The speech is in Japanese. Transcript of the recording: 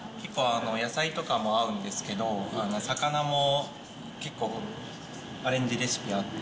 野菜とかも合うんですけど、魚も結構、アレンジレシピあって。